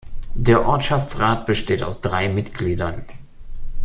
Der Ortschaftsrat besteht aus drei Mitgliedern.